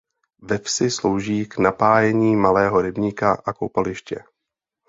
Ve vsi slouží k napájení malého rybníku a koupaliště.